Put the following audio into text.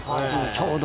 ちょうど。